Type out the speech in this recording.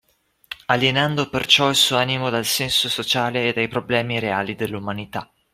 Alienando perciò il suo animo dal senso sociale e dai problemi reali dell'umanità.